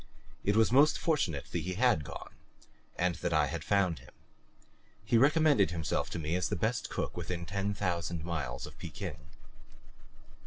It was most fortunate that he had gone, and that I had found him. He recommended himself to me as the best cook within ten thousand miles of Pekin.